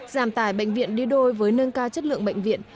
giảm tải bệnh viện đi đôi với nâng cao chất lượng bệnh viện